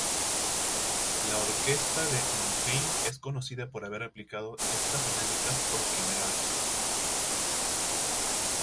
La orquesta de Mannheim es conocida por haber aplicado estas dinámicas por primera vez.